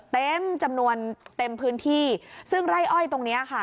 เต็มจำนวนเต็มพื้นที่ซึ่งไร่อ้อยตรงเนี้ยค่ะ